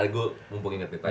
gue mumpung inget nih tanya